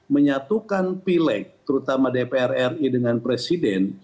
menyatukan pileg terutama dpr ri dengan presiden